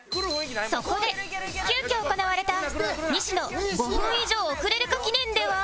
そこで急遽行われた西野５分以上遅れるか記念では